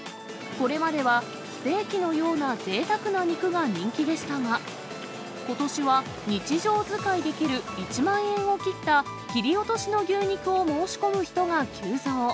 これまでは、ステーキのようなぜいたくな肉が人気でしたが、ことしは、日常使いできる、１万円を切った切り落としの牛肉を申し込む人が急増。